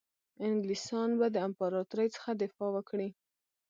انګلیسیان به د امپراطوري څخه دفاع وکړي.